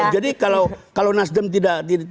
jadi kalau nasdem tidak mundur